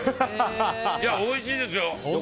おいしいですよ。